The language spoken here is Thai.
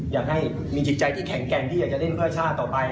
อยากให้มีจิตใจที่แข็งแกร่งที่อยากจะเล่นเพื่อชาติต่อไป